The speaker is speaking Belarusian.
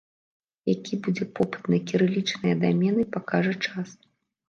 Які будзе попыт на кірылічныя дамены, пакажа час.